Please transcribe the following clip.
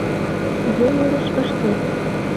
Йоҥылыш ыштет